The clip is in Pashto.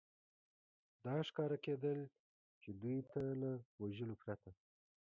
دا ښکاره کېدل، چې دوی ته له وژلو پرته.